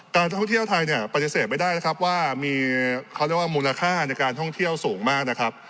การท่องเที่ยวไทยเนี่ยปฏิเสธไม่ได้นะครับว่ามีเขาเรียกว่ามูลค่าในการท่องเที่ยวสูงมากนะครับ